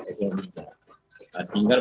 kemuliaan orang yang terlalu